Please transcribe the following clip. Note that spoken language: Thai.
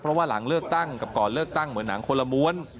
เพราะว่าหลังเลือกตั้งกับก่อนเลือกตั้งเหมือนหนังคนละม้วน